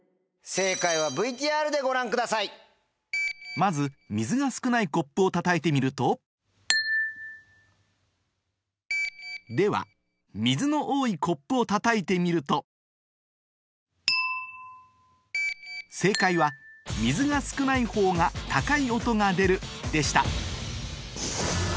まず水が少ないコップをたたいてみるとでは水の多いコップをたたいてみると正解は「水が少ないほうが高い音が出る」でしたえ！